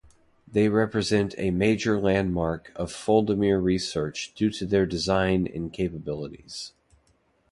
They represent a major landmark of foldamer research due to their design and capabilities.